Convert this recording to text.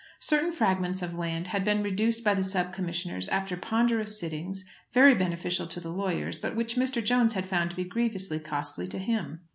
Certain fragments of land had been reduced by the sub commissioners after ponderous sittings, very beneficial to the lawyers, but which Mr. Jones had found to be grievously costly to him.